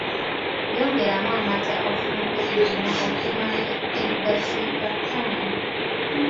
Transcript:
Yongeramu amata ofumbe byonna okumala edakika ttaano.